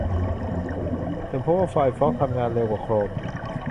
ฉันพบว่าไฟร์ฟอกซ์ทำงานเร็วกว่าโครม